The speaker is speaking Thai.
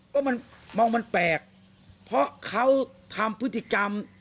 ก็มันมองมันแปลกเพราะเขาทำพฤติกรรม